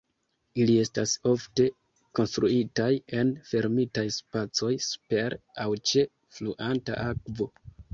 Ili estas ofte konstruitaj en fermitaj spacoj super, aŭ ĉe, fluanta akvo.